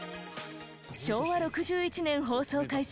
昭和６１年放送開始